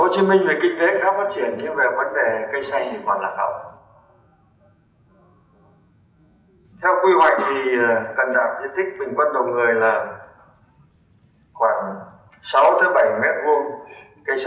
theo quy hoạch thì